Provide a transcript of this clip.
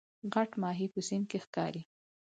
غټ ماهی په سیند کې ښکاري